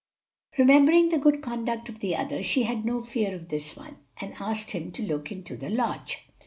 Remembering the good conduct of the other, she had no fear of this one, and asked him to look into the lodge.